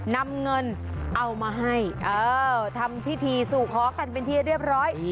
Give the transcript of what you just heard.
นำเงินเอามาให้เออทำพิธีสู่ขอกันเป็นที่เรียบร้อย